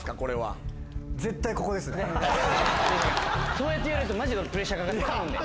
そうやって言われるとマジプレッシャーかかっちゃうんで。